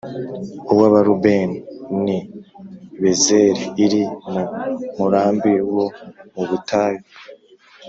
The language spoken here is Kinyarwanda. Uw’Abarubeni ni Beseri iri mu murambi wo mu butayu,